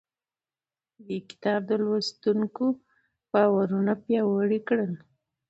دې کتاب د لوستونکو باورونه پیاوړي کړل.